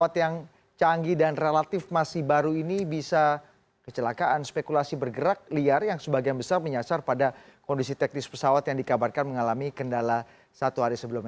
pesawat yang canggih dan relatif masih baru ini bisa kecelakaan spekulasi bergerak liar yang sebagian besar menyasar pada kondisi teknis pesawat yang dikabarkan mengalami kendala satu hari sebelumnya